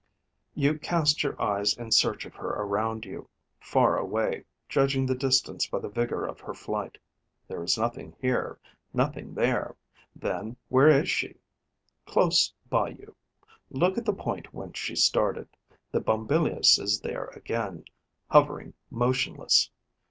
You cast your eyes in search of her around you, far away, judging the distance by the vigour of her flight. There is nothing here, nothing there. Then where is she? Close by you. Look at the point whence she started: the Bombylius is there again, hovering motionless.